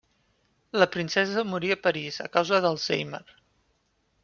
La princesa morí a París a causa d'alzheimer.